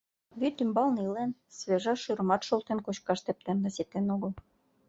Вӱдӱмбалне илен, свежа шӱрымат шолтен кочкаш тептерна ситен огыл.